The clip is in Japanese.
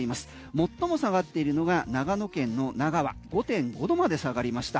最も下がっているのが長野県の奈川は５．５℃まで下がりました。